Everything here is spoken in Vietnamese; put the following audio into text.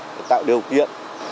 để tạo điều kiện